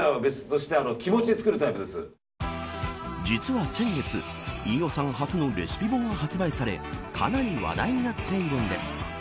実は先月飯尾さん初のレシピ本が発売されかなり話題になっているんです。